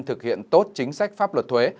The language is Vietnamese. thực hiện tốt chính sách pháp luật thuế